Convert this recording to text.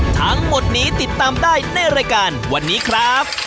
ทั้งหมดนี้ติดตามได้ในรายการวันนี้ครับ